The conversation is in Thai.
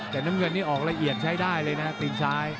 แต่น้ำเงินนี่ออกละเอียดใช้ได้เลยนะตีนซ้าย